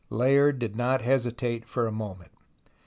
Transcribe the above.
Layard did not hesitate for a moment.